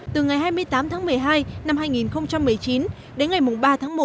từ ngày hai mươi tám tháng một mươi hai năm hai nghìn một mươi chín đến ngày ba tháng một